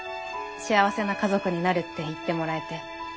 「幸せな家族になる」って言ってもらえて。